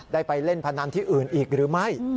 ไปเล่นพนันที่อื่นอีกหรือไม่